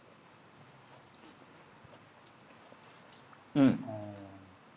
うん！